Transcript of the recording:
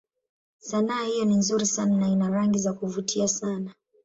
Sanaa hiyo ni nzuri sana na ina rangi za kuvutia sana.